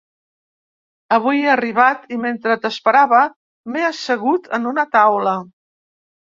Avui he arribat i mentre t’esperava m’he assegut en una taula.